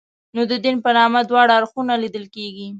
نو د دین په نامه دواړه اړخونه لیدل کېږي.